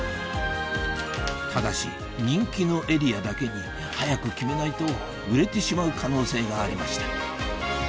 ただし人気のエリアだけに早く決めないと売れてしまう可能性がありました